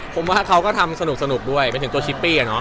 ผมว่าเขาก็ทำสนุกด้วยหมายถึงตัวชิปปี้